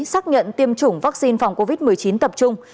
xác nhận tiêm chủng vaccine phòng covid một mươi chín tập trung